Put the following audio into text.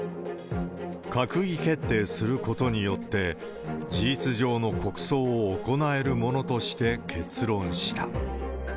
閣議決定することによって、事実上の国葬を行えるものとして結論した。